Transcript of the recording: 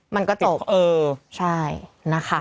มันก็ตกใช่นะคะ